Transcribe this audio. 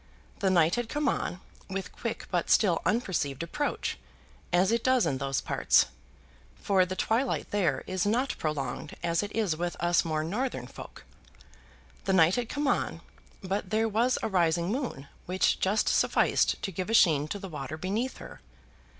The night had come on, with quick but still unperceived approach, as it does in those parts; for the twilight there is not prolonged as it is with us more northern folk. The night had come on, but there was a rising moon, which just sufficed to give a sheen to the water beneath her.